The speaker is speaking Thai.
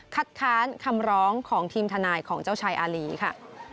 ค้านคำร้องของทีมทนายของเจ้าชายอารีค่ะ